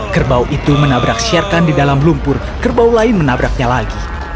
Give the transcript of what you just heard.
kerbau itu menabrak sherkan di dalam lumpur kerbau lain menabraknya lagi